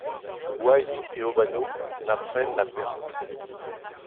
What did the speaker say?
White et Obanno n'apprennent la perte.